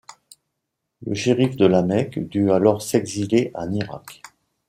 Le chérif de La Mecque dut alors s'exiler en Irak.